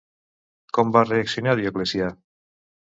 Com va reaccionar Dioclecià?